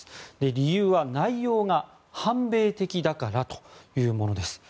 理由は、内容が反米的だからというものです。